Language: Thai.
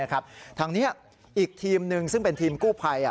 ทางนี้อีกทีมหนึ่งซึ่งเป็นทีมกู้ภัย